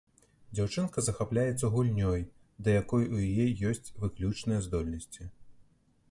Дзяўчынка захапляецца гульнёй, да якой у яе ёсць выключныя здольнасці.